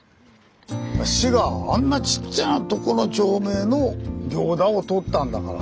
市があんなちっちゃなとこの町名の「行田」をとったんだから。